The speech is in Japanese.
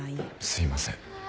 すいません。